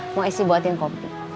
mau isi buatin kopi